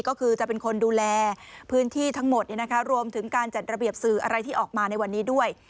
ก็คือจะเป็นคนดูแลพื้นที่ทั้งหมดรวมถึงการจัดระเบียบสื่ออะไรที่ออกมาในวันนี้ด้วย